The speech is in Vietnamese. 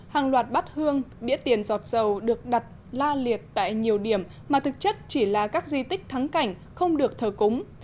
hàng loạt bát hương đĩa tiền giọt dầu được đặt la liệt tại nhiều điểm mà thực chất chỉ là các di tích thắng cảnh không được thờ cúng